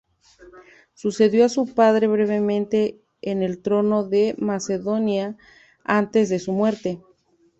Sucedió a su padre brevemente en el trono de Macedonia antes de su muerte.